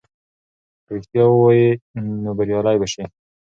که رښتیا ووایې نو بریالی به سې.